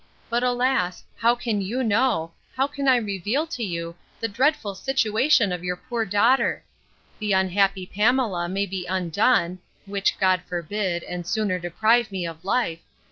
—But, alas! how can you know, how can I reveal to you, the dreadful situation of your poor daughter! The unhappy Pamela may be undone (which God forbid, and sooner deprive me of life!)